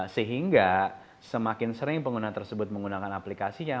sehingga semakin sering pengguna tersebut menggunakan aplikasinya